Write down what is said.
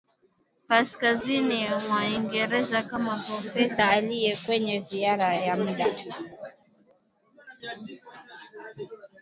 kaskazini mwa Uingereza kama profesa aliye kwenye ziara ya mda